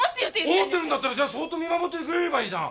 思ってるんだったらそっと見守ってくれればいいじゃん！